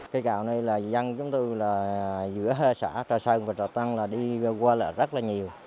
cây cầu này là dân chúng tôi là giữa hơi xã trà sơn và trà tân là đi qua rất là nhiều